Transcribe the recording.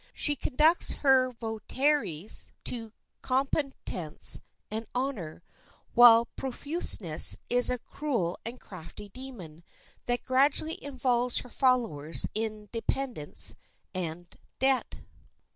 She conducts her votaries to competence and honor, while Profuseness is a cruel and crafty demon, that gradually involves her followers in dependence and debt.